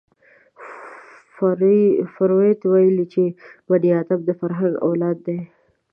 فروید ویلي چې بني ادم د فرهنګ اولاد دی